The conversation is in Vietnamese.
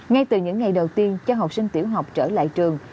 ngay từ những ngày đầu tiên cho học sinh tiểu học trở lại trường